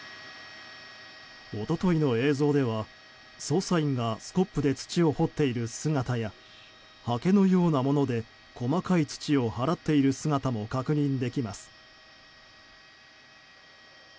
一昨日の映像では、捜査員がスコップで土を掘っている姿やはけのようなもので細かい土を払っている姿も確認できます。